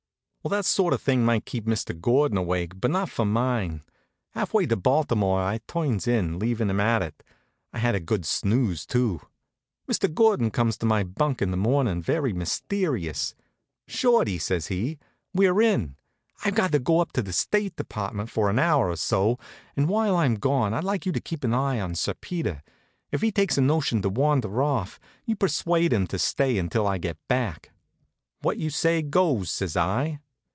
Well, that sort of thing might keep Mr. Gordon awake, but not for mine. Half way to Baltimore I turns in, leaving 'em at it. I had a good snooze, too. Mr. Gordon comes to my bunk in the mornin', very mysterious. "Shorty," says he, "we're in. I've got to go up to the State Department for an hour or so, and while I'm gone I'd like you to keep an eye on Sir Peter. If he takes a notion to wander off, you persuade him to stay until I get back." "What you say goes," says I.